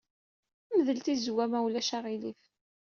Mdel tizewwa, ma ulac aɣilif.